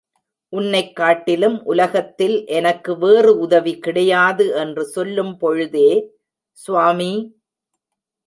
உன்னைக் காட்டிலும் உலகத்தில் எனக்கு வேறு உதவி கிடையாது என்று சொல்லும் பொழுதே, சுவாமி!